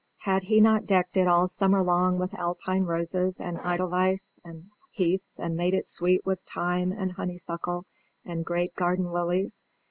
Had he not decked it all summer long with alpine roses and edelweiss and heaths and made it sweet with thyme and honeysuckle and great garden lilies?